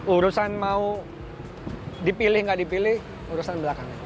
urusan mau dipilih gak dipilih urusan belakangan